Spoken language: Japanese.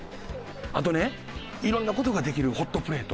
あとね色んな事ができるホットプレート。